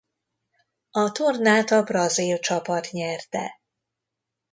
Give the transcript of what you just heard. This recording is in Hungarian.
A tornát a brazil csapat nyerte.